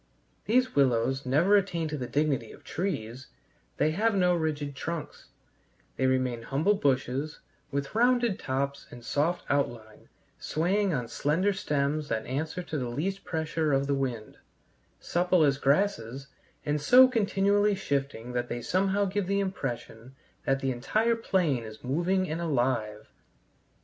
These willows never attain to the dignity of trees; they have no rigid trunks; they remain humble bushes, with rounded tops and soft outline, swaying on slender stems that answer to the least pressure of the wind; supple as grasses, and so continually shifting that they somehow give the impression that the entire plain is moving and alive.